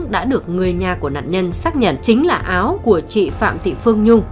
đã được người nhà của nạn nhân xác nhận chính là áo của chị phạm thị phương nhung